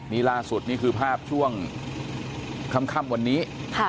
นี่ล่าสุดนี่คือภาพช่วงค่ำวันนี้